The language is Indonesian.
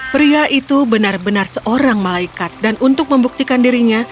pria itu benar benar seorang malaikat dan untuk membuktikan dirinya